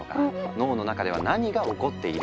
脳の中では何が起こっているのか？